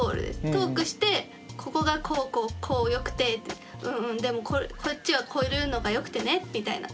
トークしてここがこうこうこうよくてうんうんでもこっちはこういうのがよくてねみたいな。